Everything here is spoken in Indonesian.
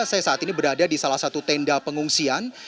saya saat ini berada di salah satu tenda pengungsian